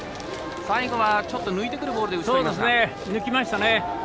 最後は、ちょっと抜いてくるボールで打ち取りました。